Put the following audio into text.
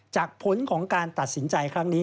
ผลของการตัดสินใจครั้งนี้